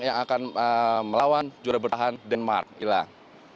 yang akan melawan juara bertahan denmark hilang